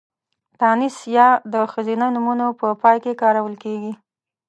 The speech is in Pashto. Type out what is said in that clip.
تانيث ۍ د ښځينه نومونو په پای کې کارول کېږي.